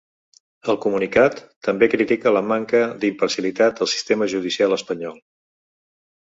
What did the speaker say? El comunicat també critica la manca d’imparcialitat del sistema judicial espanyol.